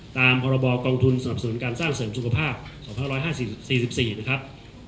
ตามพรบกองทุนสนับสนุนการสร้างเสริมสุขภาพ๒๕๔๔นะครับ